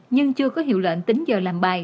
nhưng chưa có hiệu lệnh tính giờ làm bài